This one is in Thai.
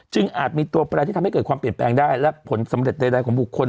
อาจมีตัวแปลที่ทำให้เกิดความเปลี่ยนแปลงได้และผลสำเร็จใดของบุคคล